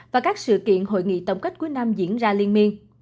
và các sự kiện hội nghị tổng kết quý nam diễn ra liên miên